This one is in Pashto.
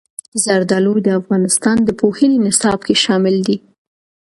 زردالو د افغانستان د پوهنې نصاب کې شامل دي.